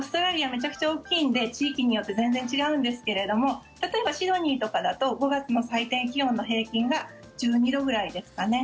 めちゃくちゃ大きいんで地域によって全然違うんですけれども例えば、シドニーとかだと５月の最低気温の平均が１２度くらいですかね。